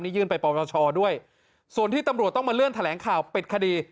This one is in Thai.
ยื่นไปปรชด้วยส่วนที่ตำรวจต้องมาเลื่อนแถลงข่าวปิดคดี